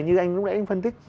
như anh lúc nãy anh phân tích